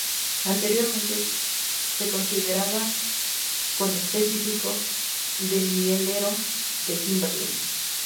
Anteriormente se consideraba conespecífico del mielero de Kimberley.